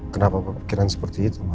kenapa pemikiran seperti itu ma